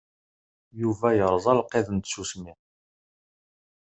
Yuba yeṛẓa lqid n tsusmi.